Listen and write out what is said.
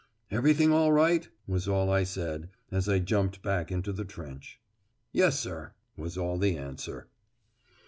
"Everything all right?" was all I said, as I jumped back into the trench. "Yes, sir," was all the answer.